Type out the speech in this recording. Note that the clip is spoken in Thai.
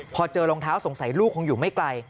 พอเจอรองเท้าสงสัยลูกคงอยู่ไม่ไกล